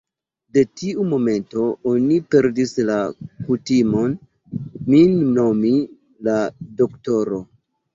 De tiu momento, oni perdis la kutimon, min nomi _la doktoro_.